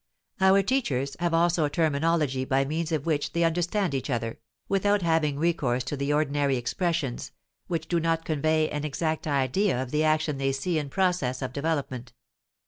Our teachers have also a terminology by means of which they understand each other, without having recourse to the ordinary expressions, which do not convey an exact idea of the action they see in process of development.